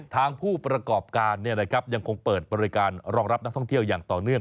ทางผู้ประกอบการยังคงเปิดบริการรองรับนักท่องเที่ยวอย่างต่อเนื่อง